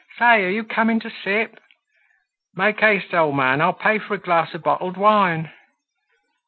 "Say, are you coming to sip?" "Make haste, old man; I'll pay for a glass of bottled wine."